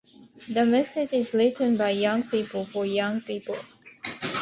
The message is written by young people for young people.